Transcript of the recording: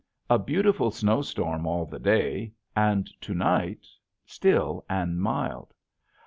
A beautiful snowstorm all the day and to night, still and mild.